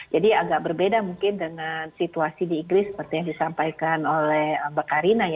jadi agak berbeda mungkin dengan situasi di inggris seperti yang disampaikan oleh mbak karina